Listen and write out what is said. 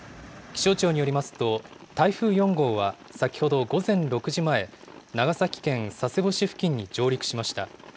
気象庁によりますと、台風４号は先ほど午前６時前、長崎県佐世保市付近に上陸しました。